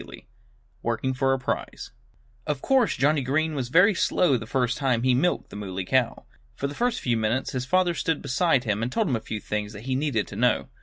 III WORKING FOR A PRIZE Of course Johnnie Green was very slow the first time he milked the Muley Cow. For a few minutes his father stood beside him and told him a few things that he needed to know.